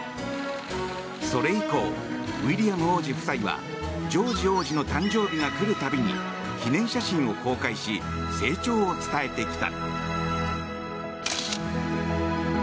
それ以降、ウィリアム王子夫妻はジョージ王子の誕生日が来るたびに記念写真を公開し成長を伝えてきた。